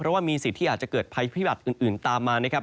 เพราะว่ามีสิทธิ์ที่อาจจะเกิดภัยพิบัติอื่นตามมานะครับ